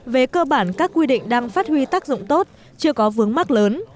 về cơ bản các quy định đang phát huy tác dụng tốt chưa có vướng mắc lớn